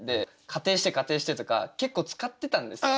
「仮定して仮定して」とか結構使ってたんですよ。